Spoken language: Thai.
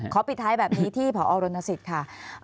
ขอบดีท้ายแบบนี้ที่แผ่นภรณสิทธิ์ค่ะ